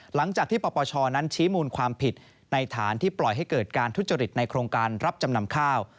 หลังจากที่ปปชนั้นชี้มูลความผิดในฐานที่ปล่อยให้เกิดการทุจริตในโครงการรับจำนำข้าว